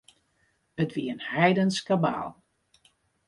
It wie in heidensk kabaal.